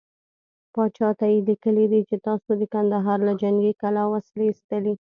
پاچا ته يې ليکلي دي چې تاسو د کندهار له جنګې کلا وسلې ايستلې.